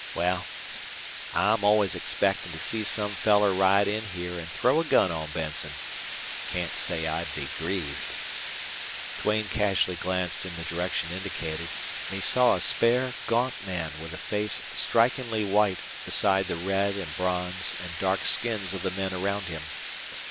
Wal, I'm always expectin' to see some feller ride in here an' throw a gun on Benson. Can't say I'd be grieved." Duane casually glanced in the direction indicated, and he saw a spare, gaunt man with a face strikingly white beside the red and bronze and dark skins of the men around him.